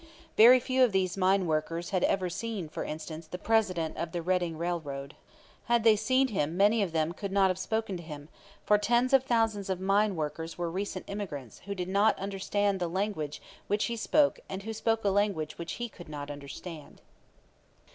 Very few of these mine workers had ever seen, for instance, the president of the Reading Railroad. Had they seen him many of them could not have spoken to him, for tens of thousands of the mine workers were recent immigrants who did not understand the language which he spoke and who spoke a language which he could not understand.